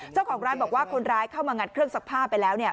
เจ้าของร้านบอกว่าคนร้ายเข้ามางัดเครื่องซักผ้าไปแล้วเนี่ย